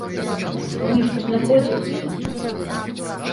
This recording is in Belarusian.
Кніжку знаходзіў, пачынаў чытаць.